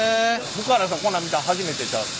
福原さんこんなん見たん初めてちゃうの？